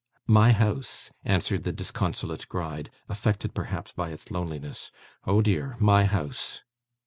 'My house,' answered the disconsolate Gride, affected perhaps by its loneliness. 'Oh dear! my house.